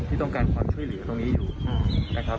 ที่ต้องการความช่วยเหลือตรงนี้อยู่นะครับ